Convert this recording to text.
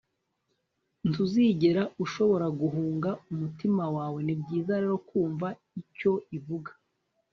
ntuzigera ushobora guhunga umutima wawe ni byiza rero kumva icyo ivuga